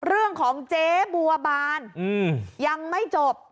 เรื่องของเจ๊บัวบานยังไม่จบ